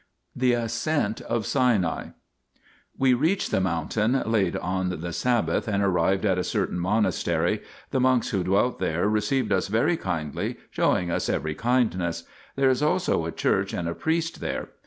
THE ASCENT OF SINAI We reached the mountain late on the sabbath, and arriving at a certain monastery, the monks who dwelt there received us very kindly, showing us every kindness ; there is also a church and a priest there.